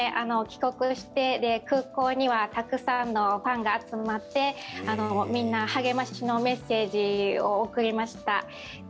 帰国して空港にはたくさんのファンが集まってみんな、励ましのメッセージを送りました。